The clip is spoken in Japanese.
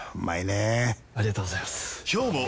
ありがとうございます！